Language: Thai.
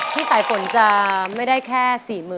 สายฝนจะไม่ได้แค่๔๐๐๐